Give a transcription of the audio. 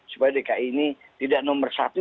supaya dki ini tidak nomor satu